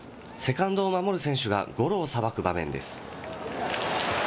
セカンドを守る選手がゴロをさばく場面です。